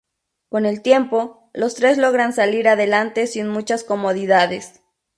Con el tiempo, los tres logran salir adelante sin muchas comodidades.